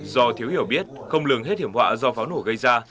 do thiếu hiểu biết không lường hết hiểm họa do pháo nổ gây ra